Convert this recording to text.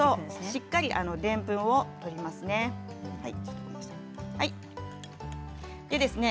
しっかりとでんぷんを取りますね。